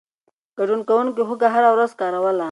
ګډون کوونکو هوږه هره ورځ کاروله.